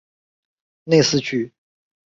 内斯屈。